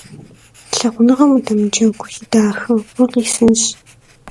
Лъагъуныгъэм удэмыджэгу, си дахэ, укъисынщ.